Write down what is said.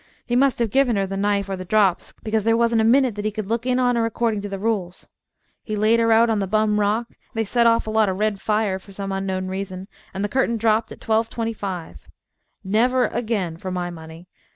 He must have give her the knife or the drops, because there wasn't a minute that he could look in on her according to the rules. He laid her out on the bum rock, they set off a lot of red fire for some unknown reason, and the curtain dropped at 12:25. Never again for my money.